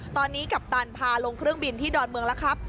ตอนนี้กัปตันพาลงเครื่องบินที่ดอนเมืองแล้วครับ